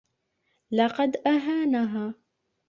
لقد أهانها.